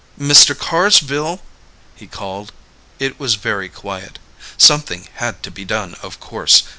"Mr. Carsville," he called. It was very quiet. Something had to be done, of course.